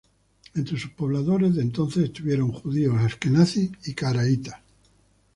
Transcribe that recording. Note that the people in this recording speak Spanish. Entre sus pobladores de entonces estuvieron judíos asquenazíes y caraítas.